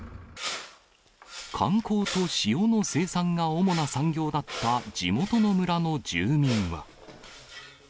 観光と塩の生産が主な産業だった地元の村の住民は。